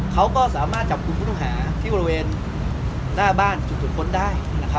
เขาก็สามารถจับกลุ่มผู้ต้องหาที่บริเวณหน้าบ้านถูกตรวจค้นได้